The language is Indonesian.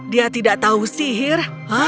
dia tidak tahu sihir